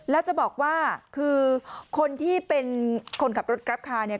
แล้วจะบอกว่าคือคนที่เป็นคนขับรถกราฟคาร์เนี่ย